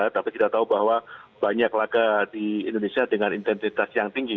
tapi kita tahu bahwa banyak laga di indonesia dengan intensitas yang tinggi